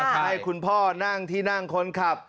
ใช่คุณพ่อนั่งที่นั่งคนขับ